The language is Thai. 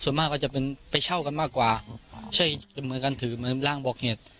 ส่วนมากก็จะเป็นไปเช่ากันมากกว่าใช่เหมือนกันถือเหมือนร่างบอกเหตุ